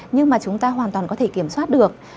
nhưng mà chúng ta hoàn toàn có thể kiểm soát được